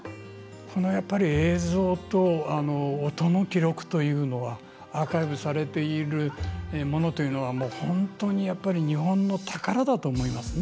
この映像と音の記録というのはアーカイブされているものというのは本当に日本の宝だと思いますね。